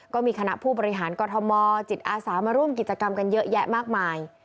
ก็มีคณะผู้บริหารกรทมจิตอาสามาร่วมกิจกรรมกันเยอะแยะมากมาย